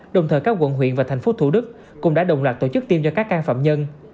đồng thời các quận huyện và thành phố thủ đức cũng đã đồng loạt tổ chức tiêm cho các can phạm nhân